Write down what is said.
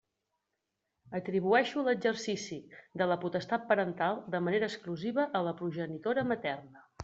Atribueixo l'exercici de la potestat parental de manera exclusiva a la progenitora materna.